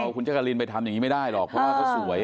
คุณจักรินไปทำอย่างนี้ไม่ได้หรอกเพราะว่าเขาสวย